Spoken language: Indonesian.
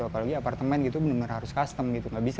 apalagi apartemen gitu benar benar harus custom gitu nggak bisa